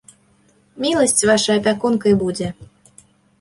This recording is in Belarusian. Міласць ваша апякункай будзе.